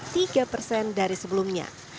dari sebelum pembelajaran tatap muka dimulai